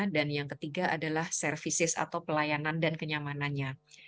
dan yang ketiga adalah services atau pelayanan dan kenyamanannya